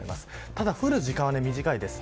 ただ降る時間は短いです。